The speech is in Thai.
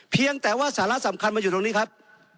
เพียงแต่ว่าสาระสำคัญมันอยู่ตรงนี้ครับ